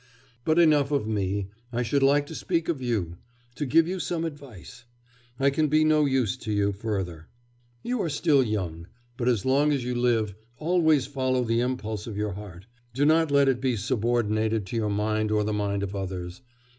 'But enough of me. I should like to speak of you, to give you some advice; I can be no use to you further.... You are still young; but as long as you live, always follow the impulse of your heart, do not let it be subordinated to your mind or the mind of others.